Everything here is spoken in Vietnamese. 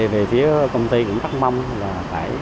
về phía công ty cũng thắc mong là phải